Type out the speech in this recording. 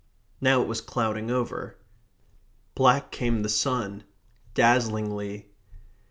Now it was clouding over. Back came the sun, dazzlingly.